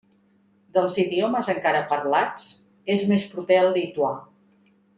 Dels idiomes encara parlats, és més proper al lituà.